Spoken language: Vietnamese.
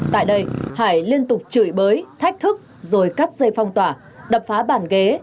tại đây hải liên tục chửi bới thách thức rồi cắt dây phong tỏa đập phá bàn ghế